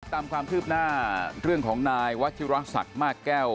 ตามความคืบหน้าเรื่องของนายวัชิรศักดิ์มากแก้ว